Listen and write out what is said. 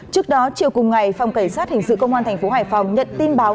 trước đó chiều cùng ngày phòng cảnh sát hình sự công an tp hải phòng nhận tin báo